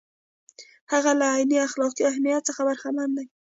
هغه له عیني اخلاقي اهمیت څخه برخمن دی.